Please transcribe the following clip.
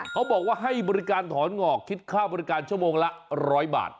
เขาบอกว่าให้บริการถอนหงอกคิดค่าบริการชั่วโมงละ๑๐๐บาท